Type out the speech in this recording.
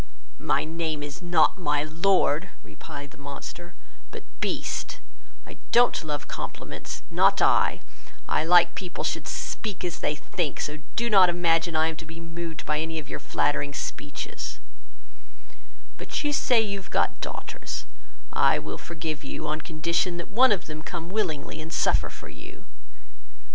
"My name is not My Lord, (replied the monster,) but Beast; I don't love compliments, not I; I like people should speak as they think; and so do not imagine I am to be moved by any of your flattering speeches; but you say you have got daughters; I will forgive you, on condition that one of them come willingly, and suffer for you.